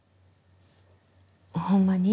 ほんまに？